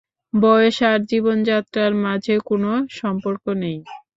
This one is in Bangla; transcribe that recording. বয়স আর জীবনযাত্রার মাঝে কোনো সম্পর্ক নেই।